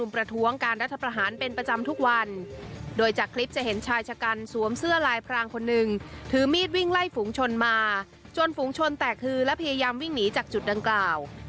พระรางคนนึงถือมีดวิ่งไล่ฝุงชนมาจนฝุงชนแตกคือและพยายามวิ่งหนีจากจุดดังกล่าว